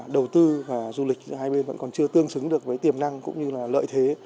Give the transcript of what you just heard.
đầu tư và du lịch giữa hai bên vẫn còn chưa tương xứng được với tiềm năng cũng như là lợi thế